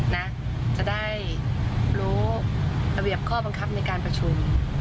นะจะได้รู้ระเบียบข้อบังคับในการประชุม